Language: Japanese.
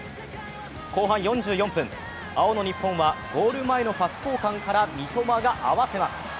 後半４４分青の日本はゴール前のパス交換から三苫が合わせます。